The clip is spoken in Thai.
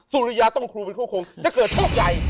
สุริยาต้องครูวิชโฆจะเกิดโชคใหญ่